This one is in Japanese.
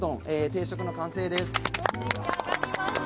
定食の完成です。